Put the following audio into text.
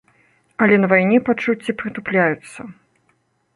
Але на вайне пачуцці прытупляюцца.